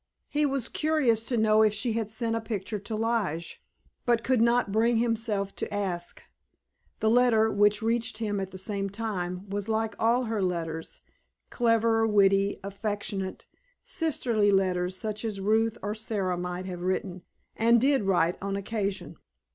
He was curious to know if she had sent a picture to Lige, but could not bring himself to ask. The letter, which reached him at the same time, was like all her letters, clever, witty, affectionate, sisterly letters, such as Ruth or Sara might have written, and did write on occasion.